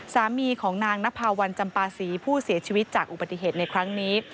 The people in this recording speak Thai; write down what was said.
สามีของนางนภาวันจำปาศรีผู้เสียชีวิตจากอุบัติเหตุในครั้งนี้